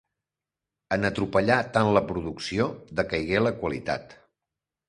En atropellar tant la producció decaigué la qualitat.